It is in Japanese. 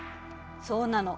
そうなの。